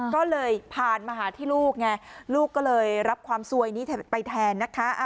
ก็เลยผ่านมาหาที่ลูกไงลูกก็เลยรับความสวยนี้ไปแทนนะคะ